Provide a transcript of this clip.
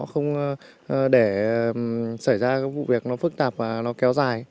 không để xảy ra vụ việc nó phức tạp và nó kéo dài